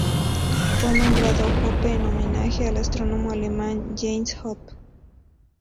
Fue nombrado Hoppe en homenaje al astrónomo alemán Johannes Hoppe.